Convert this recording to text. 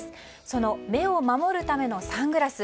その目を守るためのサングラス